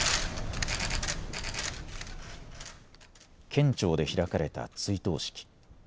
県庁で開かれた追悼式。